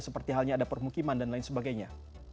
seperti halnya ada permukiman dan lain sebagainya